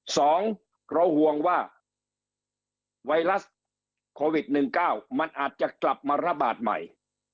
สองเราห่วงว่าไวรัสโควิด๑๙มันอาจจะกลับมาระบาดใหม่